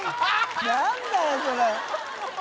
何だよそれ。